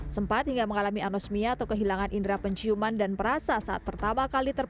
sempat hingga mengalami anginnya